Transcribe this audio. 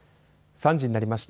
３時になりました。